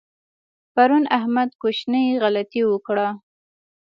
پرون احمد کوچنۍ غلطۍ وکړه.